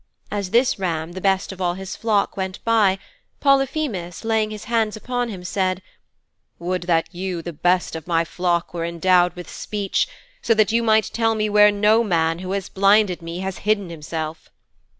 As this ram, the best of all his flock, went by, Polyphemus, laying his hands upon him, said, "Would that you, the best of my flock, were endowed with speech, so that you might tell me where Noman, who has blinded me, has hidden himself."